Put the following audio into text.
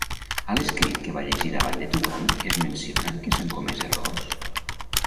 A l'escrit que va llegir davant de tothom es menciona que s'han comès errors?